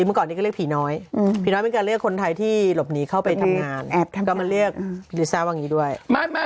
เบรกหน้าหรือจะเอาตอนนี้เอาเอาเลยนะ